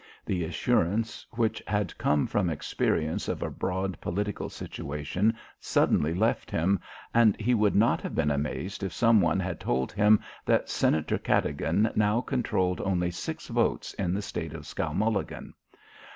The assurance which had come from experience of a broad political situation suddenly left him, and he would not have been amazed if some one had told him that Senator Cadogan now controlled only six votes in the State of Skowmulligan.